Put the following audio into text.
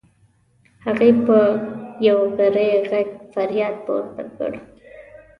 هغې په یو غری غږ فریاد پورته کړ.